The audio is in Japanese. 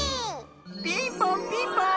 ピンポンピンポーン！